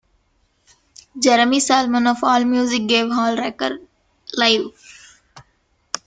Jeremy Salmon of Allmusic gave Hallraker: Live!